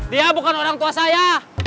dia bukan orang tua saya